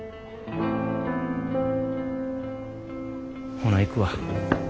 ほな行くわ。